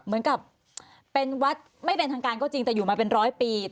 เหมือนกับเป็นวัดไม่เป็นทางการก็จริงแต่อยู่มาเป็นร้อยปี